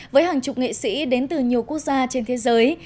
với hàng chục nghệ sĩ đến từ nhiều quốc gia trên thế giới